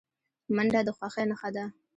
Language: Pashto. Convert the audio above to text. منډه د خوښۍ نښه ده